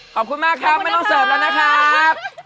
ขอบคุณมากครับไม่ต้องเสิร์ฟแล้วนะครับ